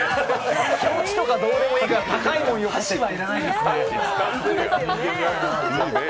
気持ちとかどうでもいいから、高いものよこせと。